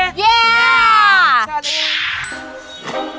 สวัสดี